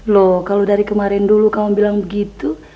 loh kalau dari kemarin dulu kamu bilang begitu